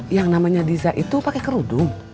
yang namanya diza itu pake kerudung